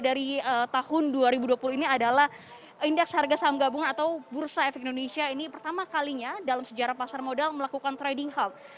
dari tahun dua ribu dua puluh ini adalah indeks harga saham gabungan atau bursa efek indonesia ini pertama kalinya dalam sejarah pasar modal melakukan trading helm